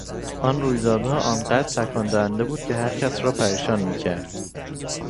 آن رویدادها آن قدر تکان دهنده بود که هرکس را پریشان میکرد.